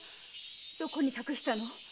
どこに隠したの？